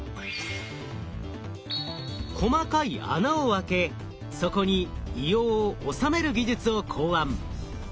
細かい穴を開けそこに硫黄を収める技術を考案。